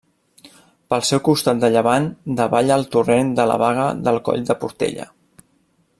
Pel seu costat de llevant davalla el torrent de la Baga del Coll de Portella.